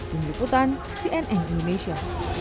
dung duputan cnn indonesia